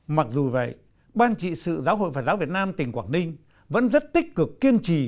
mặc dù vậy ban trị sự giáo hội phật giáo việt nam tỉnh quảng ninh vẫn rất tích cực kiên trì